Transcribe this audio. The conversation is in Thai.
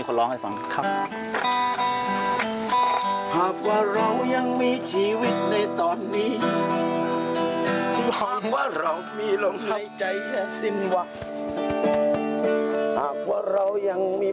ขอบคุณครับต่อไป